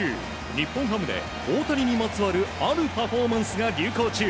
日本ハムで大谷にまつわるあるパフォーマンスが流行中。